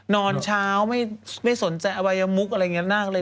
นอนเช้าไม่สนใจอวัยมุกอะไรอย่างนี้นั่งเลย